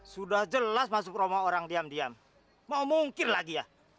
sudah jelas masuk romo orang diam diam mau mungkin lagi ya